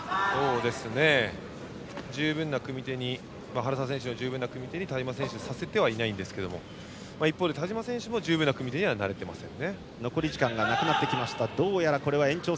原沢選手が十分な組み手に田嶋選手させてはいないんですけれども一方、田嶋選手も十分な組み手になれていません。